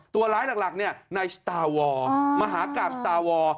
ตัวร้ายหลักในสตาร์วอร์มหากราบสตาร์วอร์